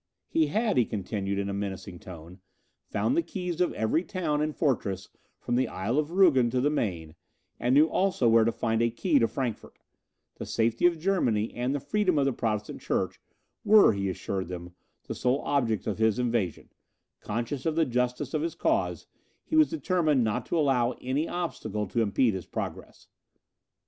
He had, he continued, in a menacing tone, found the keys of every town and fortress, from the Isle of Rugen to the Maine, and knew also where to find a key to Frankfort; the safety of Germany, and the freedom of the Protestant Church, were, he assured them, the sole objects of his invasion; conscious of the justice of his cause, he was determined not to allow any obstacle to impede his progress.